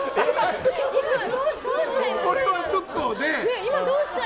これはちょっとね。